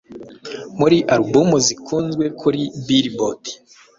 muri album zikunzwe kuri Billboard.